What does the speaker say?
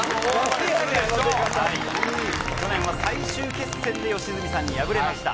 今年は最終決戦で吉住さんに敗れました。